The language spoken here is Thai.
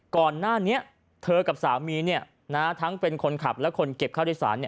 ก่อนหน้านี้เธอกับสามีทั้งเป็นคนขับและคนเก็บค่าโดยสาร